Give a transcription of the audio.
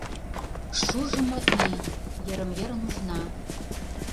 Шужымо ий, йырым-йыр нужна.